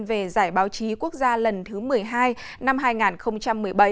về giải báo chí quốc gia lần thứ một mươi hai năm hai nghìn một mươi bảy